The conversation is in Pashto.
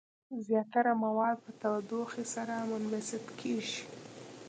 زیاتره مواد په تودوخې سره منبسط کیږي.